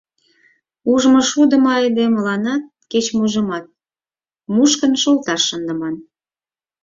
Ужмышудымо айдемыланат кеч-можымат мушкын шолташ шындыман.